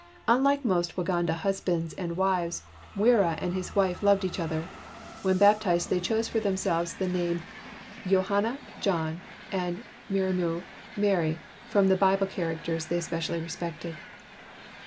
'' Unlike most Waganda husbands and wives Mwira and his wife loved each other. When baptized they chose for themselves the names Yohana (John) and Maryamu (Mary), from the two Bible characters they especially respected.